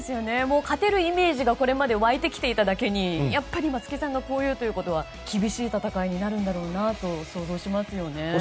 勝てるイメージがこれまで沸いていただけに松木さんがこう言うということは厳しい戦いになるんだろうなと想像しますね。